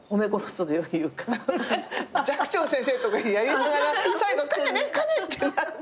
寂聴先生とかやりながら最後「金！金！」ってなってく。